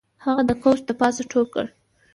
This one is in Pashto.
هغه د کوچ د پاسه ټوپ کړ